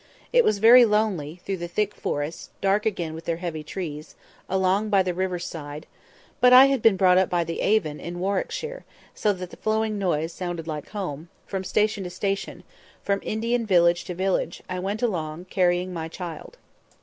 It was very lonely; through the thick forests, dark again with their heavy trees—along by the river's side (but I had been brought up near the Avon in Warwickshire, so that flowing noise sounded like home)—from station to station, from Indian village to village, I went along, carrying my child.